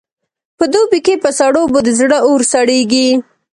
په دوبې کې په سړو اوبو د زړه اور سړېږي.